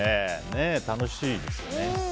楽しいですよね。